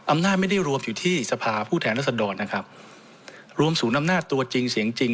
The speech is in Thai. อำนาจไม่ได้รวมอยู่ที่สภาผู้แทนรัศดรนะครับรวมศูนย์อำนาจตัวจริงเสียงจริง